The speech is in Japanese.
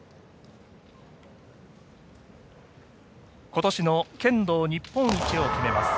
今年の剣道日本一を決めます